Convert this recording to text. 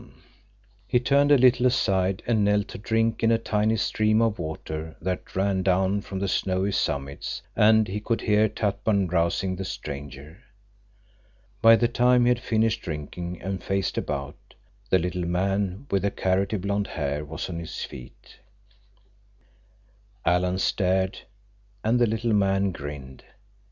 He turned a little aside and knelt to drink at a tiny stream of water that ran down from the snowy summits, and he could hear Tatpan rousing the stranger. By the time he had finished drinking and faced about, the little man with the carroty blond hair was on his feet. Alan stared, and the little man grinned.